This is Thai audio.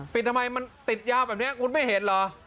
ทำไมมันติดยาวแบบนี้คุณไม่เห็นเหรอ